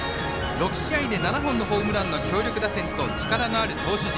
６試合で７本のホームランの強力打線と力のある投手陣。